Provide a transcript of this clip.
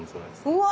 うわ！